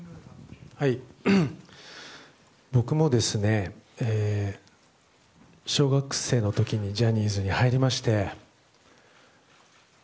僕も、小学生の時にジャニーズに入りまして。